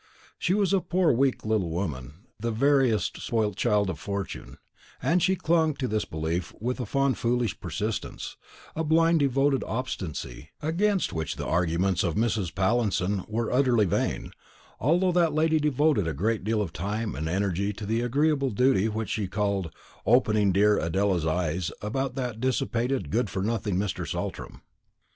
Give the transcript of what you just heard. She was a poor weak little woman, the veriest spoilt child of fortune, and she clung to this belief with a fond foolish persistence, a blind devoted obstinacy, against which the arguments of Mrs. Pallinson were utterly vain, although that lady devoted a great deal of time and energy to the agreeable duty which she called "opening dear Adela's eyes about that dissipated good for nothing Mr. Saltram."